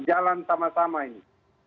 jalan sama sama ini